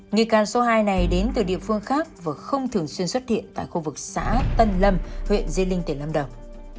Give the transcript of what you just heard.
nghi can số hai này đến từ địa phương khác và không thường xuyên xuất hiện tại khu vực xã tân lâm huyện diên linh tỉnh lâm đồng